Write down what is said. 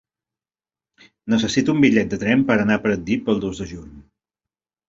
Necessito un bitllet de tren per anar a Pratdip el dos de juny.